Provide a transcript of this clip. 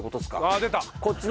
あっ出た！